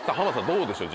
どうでしょう？